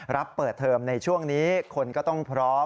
เปิดเทอมในช่วงนี้คนก็ต้องพร้อม